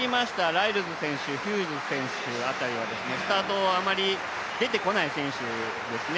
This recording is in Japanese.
ライルズ選手、ヒューズ選手辺りはスタートをあまり出てこない選手ですね。